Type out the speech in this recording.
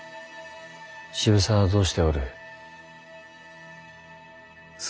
渋沢はどうしておる？